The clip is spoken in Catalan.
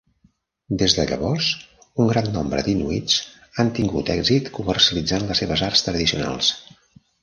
Des de llavors, un gran nombre d'inuits han tingut èxit comercialitzant les seves arts tradicionals.